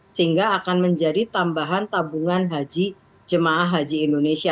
sehingga akan menjadi tambahan tabungan haji jemaah haji indonesia